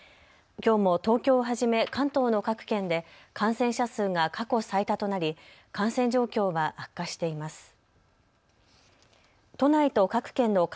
きょうも東京をはじめ関東の各県で感染者数が過去最多となり感染状況は悪化しています。